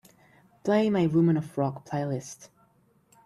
Play my Women of Rock playlist.